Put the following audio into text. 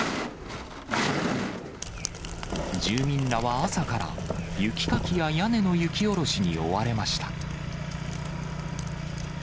住民らは朝から、雪かきや屋根の雪下ろしに追われました。